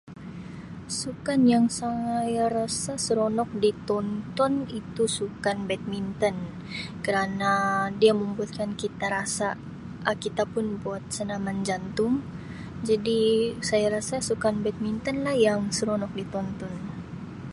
Sukan yang saya rasa seronok ditonton itu sukan badminton kerana dia membuatkan kita rasa Um kita pun membuat senaman jantung jadi saya rasa sukan badmintonlah yang seronok ditonton.